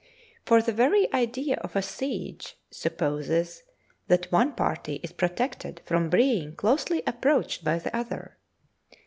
For the very idea of a siege supposes that one party is protected from being closely approached by the other.